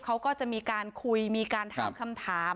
เขาก็จะมีการคุยมีการถามคำถาม